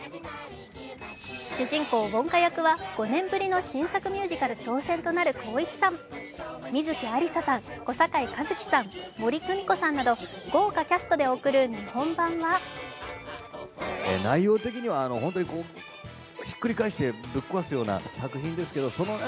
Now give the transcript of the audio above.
主人公・ウォンカ役は５年ぶりの新作ミュージカル挑戦となる光一さん、観月ありささん、小堺一機さん、森公美子さんなど、豪華キャストで送る日本版はチャーリー役はオーディションで選ばれたトリプルキャスト。